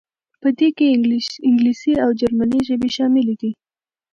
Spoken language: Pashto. په دې کې انګلیسي او جرمني ژبې شاملې دي.